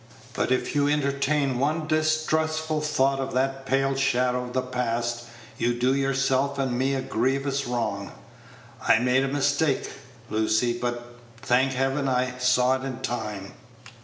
But if you entertain one distrustful thought of that pale shadow of the past, you do yourself and me a grievous wrong. I made a mistake, Lucy; but, thank Heaven, I saw it in time."